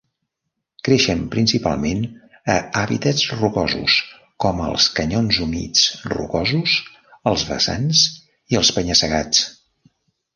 Creixen principalment a hàbitats rocosos com els canyons humits rocosos, els vessants i els penya-segats.